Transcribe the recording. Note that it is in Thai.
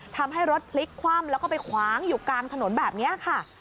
ทำให้รถพลิกคว่ำแล้วก็ไปคว้างอยู่กลางถนนแบบนี้ค่ะ